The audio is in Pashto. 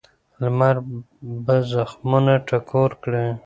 لمر به زخمونه ټکور کړي.